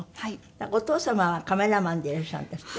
なんかお父様はカメラマンでいらっしゃるんですって？